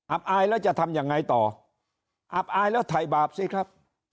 อายแล้วจะทำยังไงต่ออับอายแล้วถ่ายบาปสิครับ